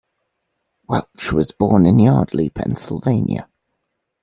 Welch was born in Yardley, Pennsylvania.